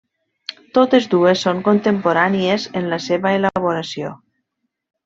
Totes dues són contemporànies en la seva elaboració.